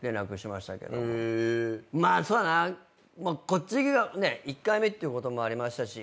こっち１回目っていうこともありましたし。